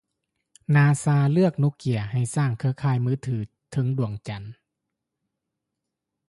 ນາຊາເລືອກໂນເກຍໃຫ້ສ້າງເຄືອຂ່າຍມືຖືເທິງດວງຈັນ